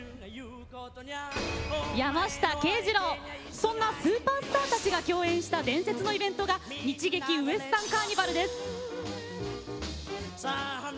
そんなスーパースターたちが共演した伝説のイベントが日劇ウエスタンカーニバルです。